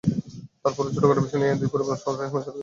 তার পরও ছোটখাটো বিষয় নিয়ে দুই পরিবারে প্রায়ই সমস্যা দেখা দিত।